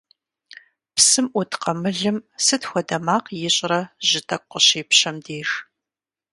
Псым Ӏут къамылым сыт хуэдэ макъ ищӀрэ жьы тӀэкӀу къыщепщэм деж?